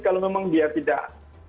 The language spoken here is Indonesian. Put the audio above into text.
kalau memang dia tidak